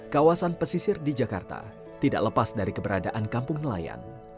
kawasan pesisir di jakarta tidak lepas dari keberadaan kampung nelayan